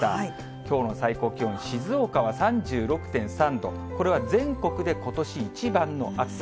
きょうの最高気温は、静岡は３６．３度、これは全国でことし一番の暑さ。